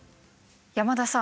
山田さん